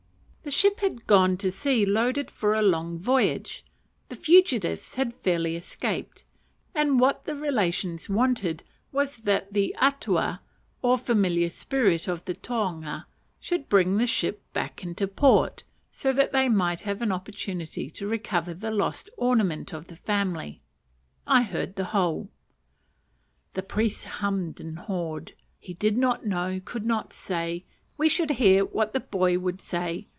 The ship had gone to sea loaded for a long voyage; the fugitives had fairly escaped; and what the relations wanted was that the atua, or familiar spirit of the tohunga, should bring the ship back into port, so that they might have an opportunity to recover the lost ornament of the family. I heard the whole. The priest hummed and hawed. "He did not know; could not say. We should hear what the 'boy' would say.